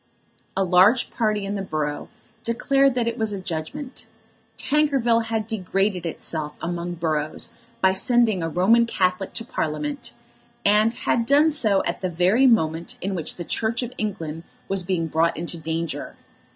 A large party in the borough declared that it was a judgment. Tankerville had degraded itself among boroughs by sending a Roman Catholic to Parliament, and had done so at the very moment in which the Church of England was being brought into danger.